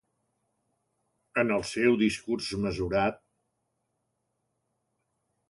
En el seu discurs mesurat...